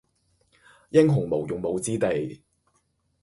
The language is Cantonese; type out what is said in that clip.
英雄無用武之地